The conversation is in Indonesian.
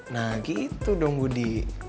nah gitu dong budi